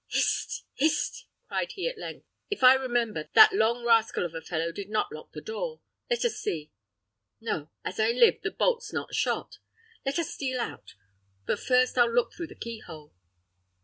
"Hist! hist!" cried he, at length; "if I remember, that long rascal of a fellow did not lock the door: let us see. No, as I live, the bolt's not shot. Let us steal out; but first I'll look through the keyhole.